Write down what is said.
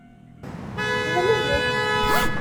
Mlelli.